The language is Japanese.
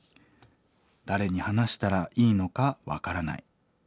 誰に話したらいいのか分からない。